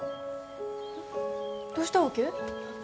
どうしたわけ？